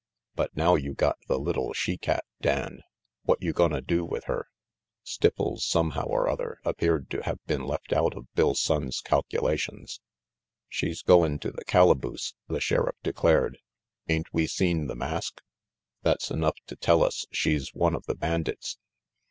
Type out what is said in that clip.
"But now you got the little she cat, Dan, what you gonna do with her?" Stipples, somehow or other, appeared to have been left out of Bill Sonnes' calculations. "She's goin' to the calaboose," the Sheriff declared. "Ain't we seen the mask? That's enough to tell us she's one of the bandits."